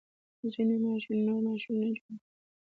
ځینې ماشینونه نور ماشینونه جوړوي.